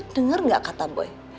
dengar gak kata boy